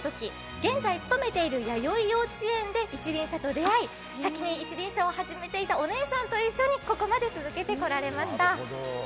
現在、勤めているやよい幼稚園で一輪車と出会い先に一輪車を始めていたお姉さんと一緒にここまで続けてこられました。